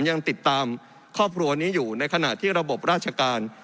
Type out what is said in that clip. ยังติดตามครอบครัวนี้อยู่ในขณะที่ระบบราชการ